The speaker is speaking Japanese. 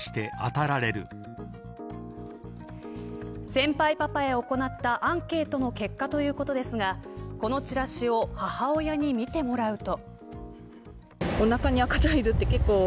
先輩パパへ行ったアンケートの結果ということですがこのチラシを母親に見てもらうと。